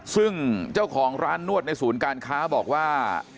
ซึ่งเจ้าของร้านนวดในศูนย์การค้าบอกว่า